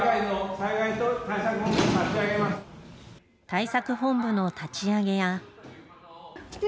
対策本部の立ち上げや。